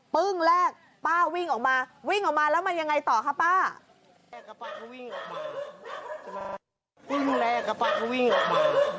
ปึ้งแรกก็ป้าวิ่งออกมาใช่ไหม